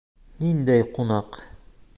— Ниндәй ҡунаҡ?